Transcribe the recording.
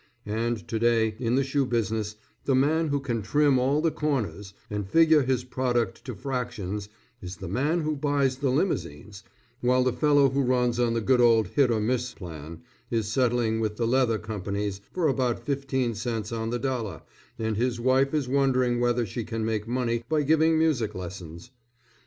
And to day, in the shoe business, the man who can trim all the corners and figure his product to fractions, is the man who buys the limousines, while the fellow who runs on the good old hit or miss plan is settling with the leather companies for about fifteen cents on the dollar, and his wife is wondering whether she can make money by giving music lessons.